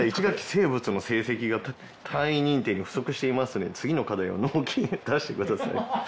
生物の成績が単位認定に不足していますので次の課題を納期内に出してください」